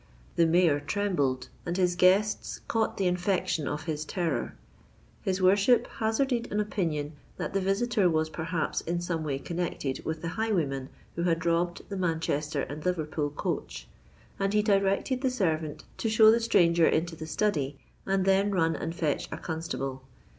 The Mayor trembled; and his guests caught the infection of his terror. His worship hazarded an opinion that the visitor was perhaps in some way connected with the highwayman who had robbed the Manchester and Liverpool coach; and he directed the servant to show the stranger into the study and then run and fetch a constable.